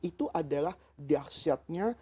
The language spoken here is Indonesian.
itu adalah dahsyatnya